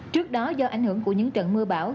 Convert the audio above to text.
trước đó do ảnh hưởng của những trận mưa bão